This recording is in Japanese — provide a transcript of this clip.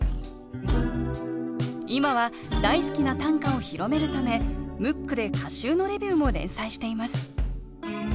今は大好きな短歌を広めるためムックで歌集のレビューも連載しています